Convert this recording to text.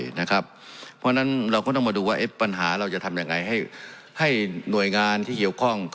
เพราะฉะนั้นเราก็ต้องมาดูว่าปัญหาเราจะทำยังไงให้หน่วยงานที่เกี่ยวข้อง